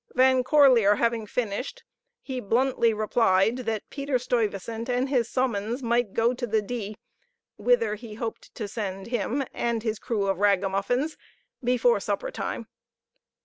Van Corlear having finished, he bluntly replied, that Peter Stuyvesant and his summons might go to the d , whither he hoped to send him and his crew of ragamuffins before supper time.